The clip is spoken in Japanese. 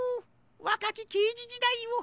わかきけいじじだいを。